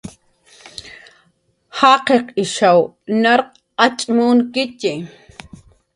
Jaqiq ishkasw narq acx' munkitxi